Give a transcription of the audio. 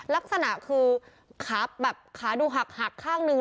ลักษณะคือขาดูหักข้างหนึ่ง